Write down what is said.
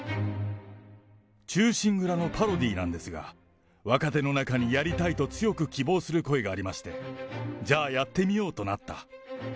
忠臣蔵のパロディーなんですが、若手の中にやりたいと強く希望する声がありまして、じゃあ、やってみようとなった。